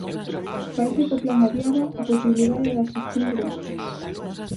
Parece que o plan obviaba a posibilidade da xestión directa.